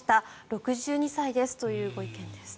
６２歳ですというご意見です。